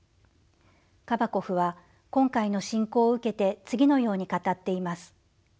カバコフは今回の侵攻を受けて次のように語っています。